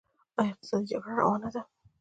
آیا اقتصادي جګړه روانه ده؟